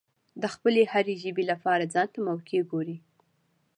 د خپلې هرې ژبې لپاره ځانته موقع ګوري.